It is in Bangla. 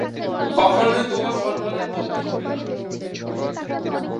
কখনই তোমার সম্মানের কমতি হবে না।